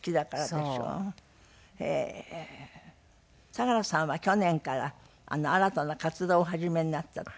佐良さんは去年から新たな活動をお始めになったって。